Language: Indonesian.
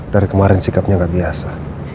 dari kemarin sikapnya nggak biasa